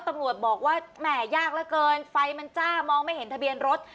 ตำรวจบอกว่าแหม่ยากเหลือเกินไฟมันจ้ามองไม่เห็นทะเบียนรถ